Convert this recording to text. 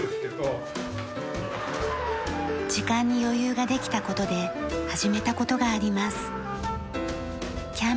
時間に余裕ができた事で始めた事があります。